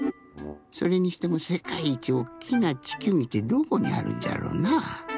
それにしてもせかいいちおっきなちきゅうぎってどこにあるんじゃろうなあ。